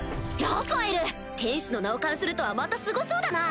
「智慧之王」！天使の名を冠するとはまたすごそうだな！